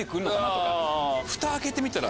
フタ開けてみたら。